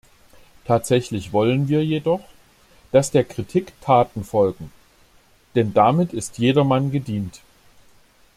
Tatsächlich wollen wir jedoch, dass der Kritik Taten folgen, denn damit ist jedermann gedient.